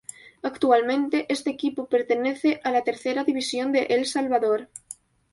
Actualmente este equipo pertenece a la Tercera División de El Salvador.